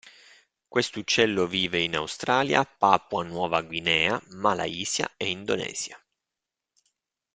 Questo uccello vive in Australia, Papua Nuova Guinea, Malaysia e Indonesia.